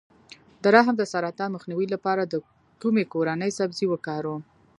د رحم د سرطان مخنیوي لپاره د کومې کورنۍ سبزي وکاروم؟